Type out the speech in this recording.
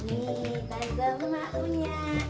ini bahu emak punya